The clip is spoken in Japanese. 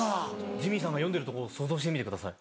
ジミーさんが読んでるところを想像してみてください。